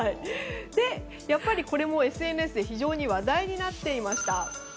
これもＳＮＳで非常に話題になっていました。